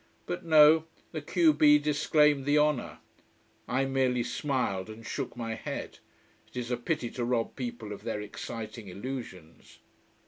But no, the q b disclaimed the honor. I merely smiled and shook my head. It is a pity to rob people of their exciting illusions.